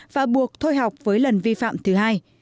và buộc thôi học với lần vi phạm thứ hai